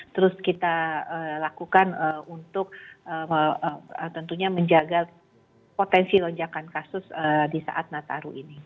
terus kita lakukan untuk tentunya menjaga potensi lonjakan kasus di saat nataru ini